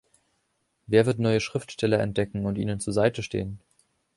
Wer wird neue Schriftsteller entdecken und ihnen zur Seite stehen?